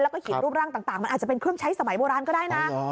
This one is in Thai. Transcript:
แล้วก็เห็นรูปร่างต่างมันอาจจะเป็นเครื่องใช้สมัยโบราณก็ได้นะ